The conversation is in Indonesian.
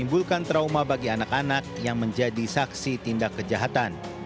menimbulkan trauma bagi anak anak yang menjadi saksi tindak kejahatan